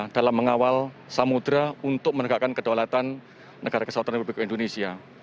dalam mengawal samudera untuk menegakkan kedaulatan negara keseluruhan indonesia